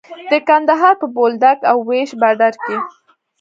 د کندهار په بولدک او ويش باډر کې.